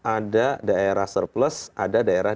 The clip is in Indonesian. ada daerah surplus ada daerah